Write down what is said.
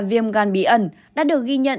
viêm gan bí ẩn đã được ghi nhận